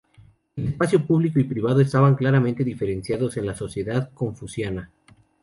El espacio público y privado estaban claramente diferenciados en la sociedad confuciana.